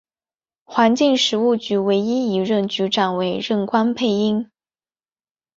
环境食物局唯一一任局长为任关佩英。